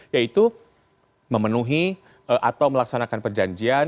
yaitu memenuhi atau melaksanakan perjanjian